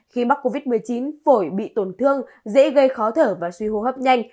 khi mắc covid một mươi chín phổi bị tổn thương dễ gây khó thở và suy hô hấp nhanh